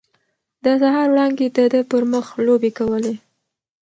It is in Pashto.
د سهار وړانګې د ده پر مخ لوبې کولې.